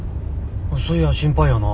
そいや心配やな。